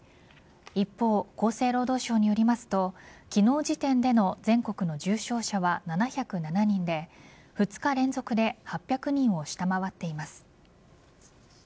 一方、厚生労働省によりますと昨日時点での全国の重症者は７０７人で２日連続で８００人を下回っています。